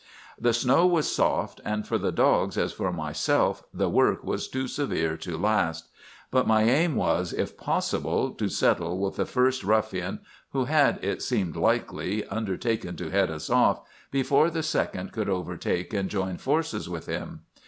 "The snow was soft, and for the dogs, as for myself, the work was too severe to last; but my aim was, if possible, to settle with the first ruffian (who had, it seemed likely, undertaken to head us off) before the second could overtake and join forces with him.